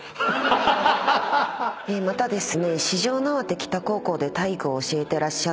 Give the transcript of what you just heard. またですね。